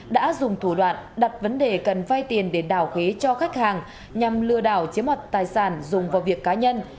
đã dùng thủ đoạn đặt vấn đề cần vai tiền để đảo khế cho khách hàng nhằm lừa đảo chiếm hoạt tài sản dùng vào việc cá nhân